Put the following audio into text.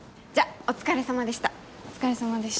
お疲れさまでした。